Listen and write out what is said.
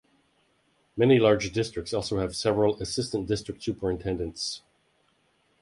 Many large districts also have several assistant district superintendents.